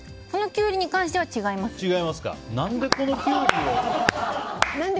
そのキュウリに関しては違いますね。